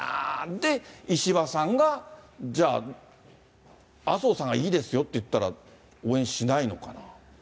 で、石破さんがじゃあ、麻生さんがいいですよって言ったら、応援しないのか。